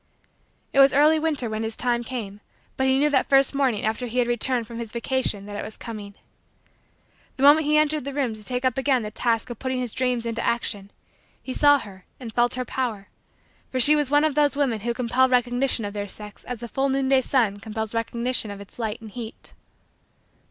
It was early winter when his time came but he knew that first morning after he had returned from his vacation that it was coming. The moment he entered the room to take up again the task of putting his dreams into action, he saw her and felt her power for she was one of those women who compel recognition of their sex as the full noonday sun compels recognition of its light and heat.